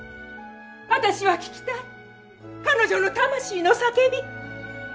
私は聞きたい彼女の魂の叫び。